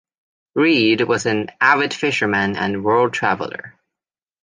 Reed was an avid fisherman and world traveler.